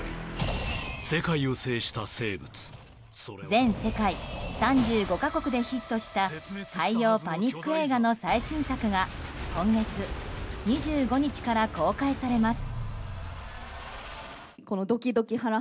全世界３５か国でヒットした海洋パニック映画の最新作が今月２５日から公開されます。